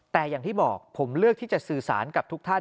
แต่อย่างที่บอกผมเลือกที่จะสื่อสารกับทุกท่าน